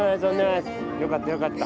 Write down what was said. よかったよかった。